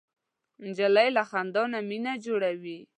نجلۍ له خندا نه مینه جوړوي.